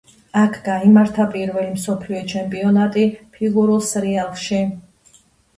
აქ გაიმართა პირველი მსოფლიო ჩემპიონატი ფიგურულ სრიალში.